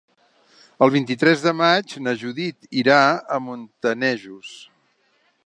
El vint-i-tres de maig na Judit irà a Montanejos.